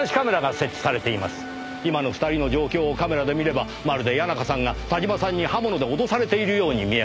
今の２人の状況をカメラで見ればまるで谷中さんが田島さんに刃物で脅されているように見えます。